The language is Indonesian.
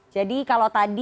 jadi kalau tadi